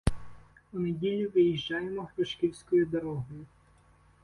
У неділю виїжджаємо грушківською дорогою.